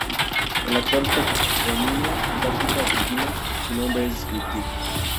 En la actual toponimia antártica argentina, su nombre es descriptivo.